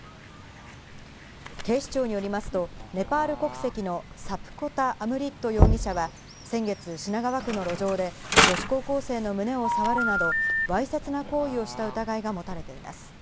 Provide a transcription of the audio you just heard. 警視庁によりますと、ネパール国籍のサプコタ・アムリット容疑者は先月、品川区の路上で女子高校生の胸をさわるなど、わいせつな行為をした疑いがもたれています。